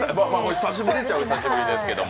久しぶりっちゃ久しぶりですけれども。